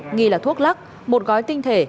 nghi là thuốc lắc một gói tinh thể